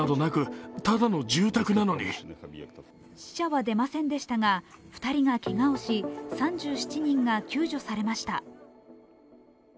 死者は出ませんでしたが、２人がけがをし３７人が救助されました。